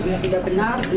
itu semua tidak benar